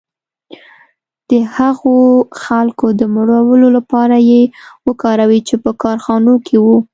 د هغو خلکو د مړولو لپاره یې وکاروي چې په کارخانو کې وو